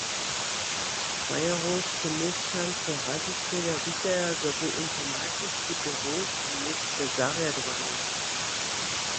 Wojerowscy měšćanscy radźićeljo witaja, zo bu informaciski běrow w měsće zarjadowany.